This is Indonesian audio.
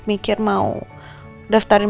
mikir mau daftarin